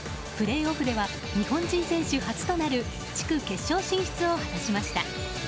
プレーオフでは日本人選手初となる地区決勝進出を果たしました。